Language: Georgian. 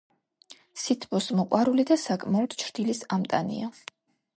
სითბოს მოყვარული და საკმაოდ ჩრდილის ამტანია.